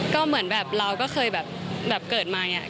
ก็เหมือนแบบเราก็เคยแบบเกิดมาอย่างนี้